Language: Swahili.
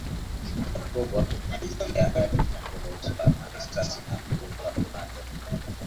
Jacob hakumalizia alikoswa na risasi na kuruka upande wa pili